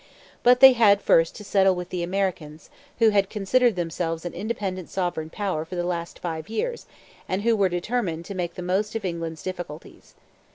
But they had first to settle with the Americans, who had considered themselves an independent sovereign power for the last five years and who were determined to make the most of England's difficulties.